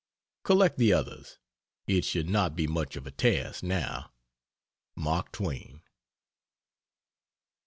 Collect the others, it should not be much of a task now. MARK TWAIN.